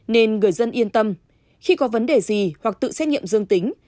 nên người dân yên tâm khi có vấn đề gì hoặc tự xét nghiệm dương tính